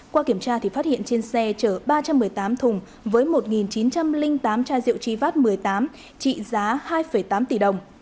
qua kiểm tra thì phát hiện trên xe chở ba trăm một mươi tám thùng với một chín trăm linh tám chai rượu tri vát một mươi tám trị giá hai tám tỷ đồng